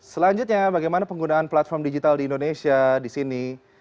selanjutnya bagaimana penggunaan platform digital di indonesia di sini